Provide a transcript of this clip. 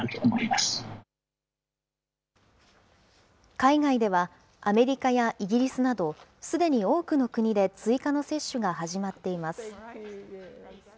海外では、アメリカやイギリスなど、すでに多くの国で追加の接種が始まっています。